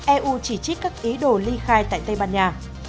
eu chỉ trích các ý đồ ly khai tại tây ban nha